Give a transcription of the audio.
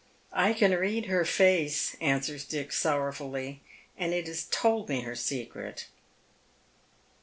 " I can read her face," answers Dick, sorrowfully, " and it has told me her secret."